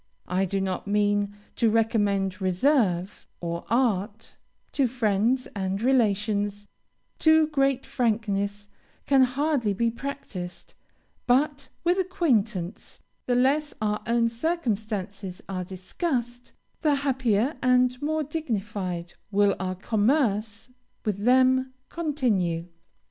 I do not mean to recommend reserve, or art; to friends and relations, too great frankness can hardly be practised; but, with acquaintance, the less our own circumstances are discussed, the happier, and the more dignified will our commerce with them continue.